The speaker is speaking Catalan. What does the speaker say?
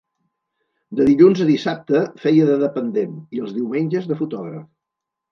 De dilluns a dissabte feia de dependent i els diumenges de fotògraf.